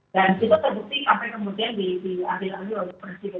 dan itu terbukti sampai kemudian diambil lagi oleh presiden